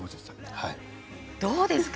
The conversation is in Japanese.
どうですか？